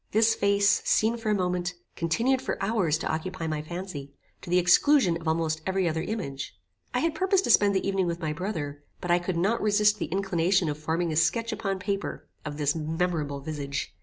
This face, seen for a moment, continued for hours to occupy my fancy, to the exclusion of almost every other image. I had purposed to spend the evening with my brother, but I could not resist the inclination of forming a sketch upon paper of this memorable visage.